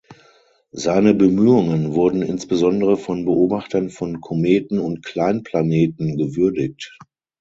Seine Bemühungen wurden insbesondere von Beobachtern von Kometen und Kleinplaneten gewürdigt.